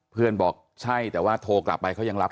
เพื่อนบอกใช่แต่ว่าโทรกลับไปเขายังรับ